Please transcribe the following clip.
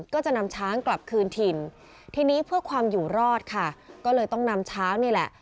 ก็จะนำช้างกลับคืนถิ่นทีนี้เพื่อความอยู่รอดค่ะก็เลยต้องนำช้างนี่แหละ